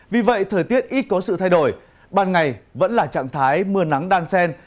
vì vậy thời tiết ít có sự thay đổi ban ngày vẫn là trạng thái mưa nắng đan sen